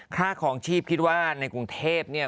ค่าคลองชีพคิดว่าในกรุงเทพเนี่ย